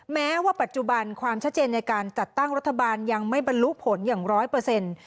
แม้ว่าปัจจุบันความชัดเจนในการจัดตั้งรัฐบาลยังไม่บรรลุผลอย่างร้อยเปอร์เซ็นต์